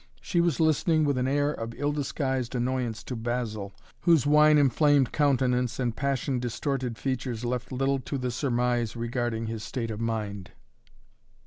She was listening with an air of ill disguised annoyance to Basil, whose wine inflamed countenance and passion distorted features left little to the surmise regarding his state of mind.